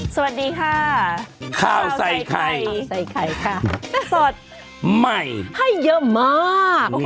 สวัสดีค่ะข้าวใส่ไข่ใส่ไข่ค่ะสดใหม่ให้เยอะมาก